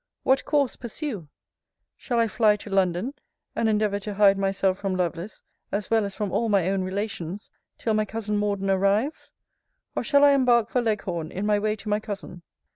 What course pursue? Shall I fly to London, and endeavour to hide myself from Lovelace, as well as from all my own relations, till my cousin Morden arrives? Or shall I embark for Leghorn in my way to my cousin?